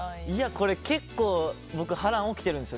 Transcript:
結構、僕波乱起きているんですよ。